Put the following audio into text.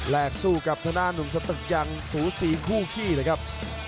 สู้กับธนานุ่มสตึกอย่างสูสีคู่ขี้เลยครับ